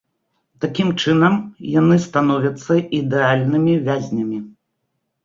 Такім чынам, яны становяцца ідэальнымі вязнямі.